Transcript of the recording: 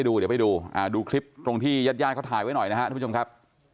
เดี๋ยวไปดูดูคลิปตรงที่ญาติญาติเขาถ่ายไว้หน่อยนะครับทุกผู้ชมครับ